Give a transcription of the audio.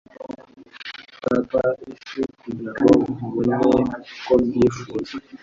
Nzatwara isi kugirango nkubone uko mbyifuza